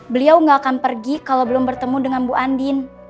beliau nggak akan pergi kalau belum bertemu dengan bu andin